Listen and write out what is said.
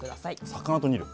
魚と煮る？